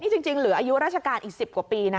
จริงเหลืออายุราชการอีก๑๐กว่าปีนะ